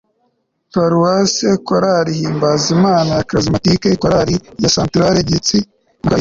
paruwasi, chorale himbazimana ya charismatique, chorale ya sentrali gitesi na chorale yo mu